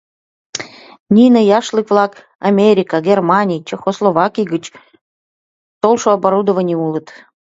Нине яшлык-влак Америка, Германий, Чехословакий гыч толшо оборудований улыт.